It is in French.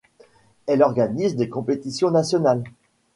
Elle organise des compétitions nationales.